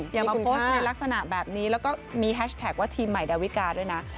อย่ามาโพสต์ในลักษณะแบบนี้แล้วก็มีแฮชแท็กว่าทีมใหม่ดาวิกาด้วยนะ